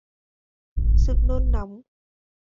sự nôn nóng